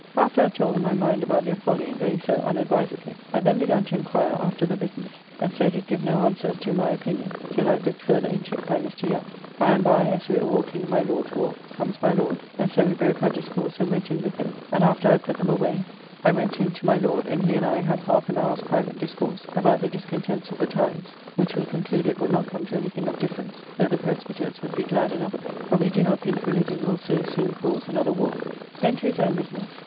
After I had told them my mind about their folly in going so unadvisedly, I then begun to inquire after the business, and so did give no answer as to my opinion till I have looked farther into it by Mr. Young. By and by, as we were walking in my Lord's walk, comes my Lord, and so we broke our discourse and went in with him, and after I had put them away I went in to my Lord, and he and I had half an hour's private discourse about the discontents of the times, which we concluded would not come to anything of difference, though the Presbyters would be glad enough of it; but we do not think religion will so soon cause another war. Then to his own business.